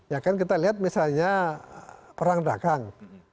ya kan kita lihat misalnya perang dagang